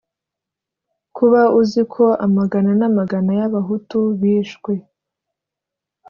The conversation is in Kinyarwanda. kuba uzi ko amagana n'amagana y'abahutu bishwe